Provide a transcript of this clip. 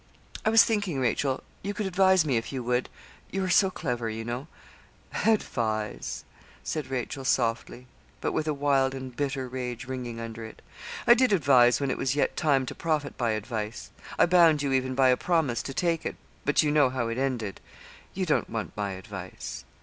'I was thinking, Rachel, you could advise me, if you would, you are so clever, you know.' 'Advise!' said Rachel, softly; but with a wild and bitter rage ringing under it. 'I did advise when it was yet time to profit by advice. I bound you even by a promise to take it, but you know how it ended. You don't want my advice.'